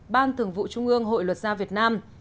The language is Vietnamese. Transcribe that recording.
ban thường vụ trung ương hội luật gia việt nam